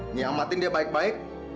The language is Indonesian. nyiamatin dia baik baik